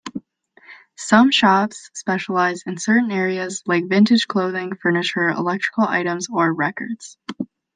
Some shops specialise in certain areas, like vintage clothing, furniture, electrical items, or records.